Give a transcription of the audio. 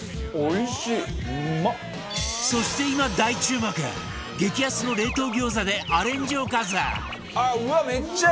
そして今大注目激安の冷凍餃子でアレンジおかず